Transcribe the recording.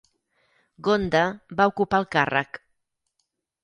Ghonda va ocupar el càrrec.